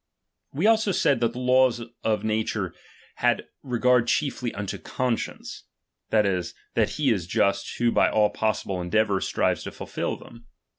We also said, that the laws of nature had ' regard chiefly unto conscience ; that is, that he is just, who by all possible endeavour strives to fulfil them.